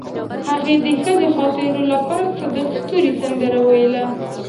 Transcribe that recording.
هغې د ښایسته خاطرو لپاره د صادق ستوري سندره ویله.